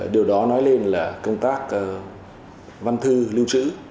điều đó nói lên là công tác văn thư lưu trữ